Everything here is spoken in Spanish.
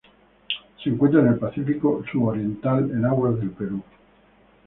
Se encuentra en el Pacífico suroriental, en aguas del Perú.